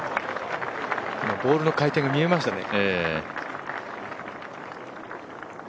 今、ボールの回転が見えましたね。